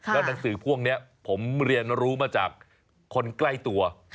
แล้วหนังสือพวกนี้ผมเรียนรู้มาจากคนใกล้ตัว